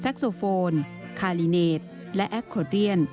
โซโฟนคาลิเนตและแอคโคเรียน